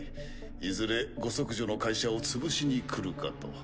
いずれご息女の会社を潰しにくるかと。